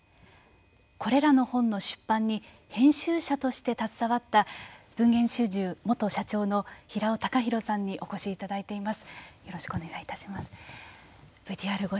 これらの本の出版に編集者として携わった文藝春秋・元社長の平尾隆弘さんにお越しいただいています。